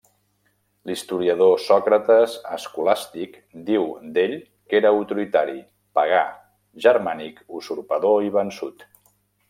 L'historiador Sòcrates Escolàstic diu d'ell que era autoritari, pagà, germànic, usurpador i vençut.